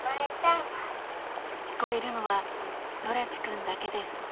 聞こえるのは空知くんだけです。